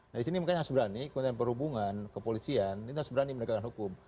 nah di sini makanya harus berani kemudian perhubungan kepolisian ini harus berani menegakkan hukum